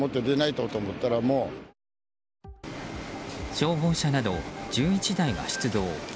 消防車など１１台が出動。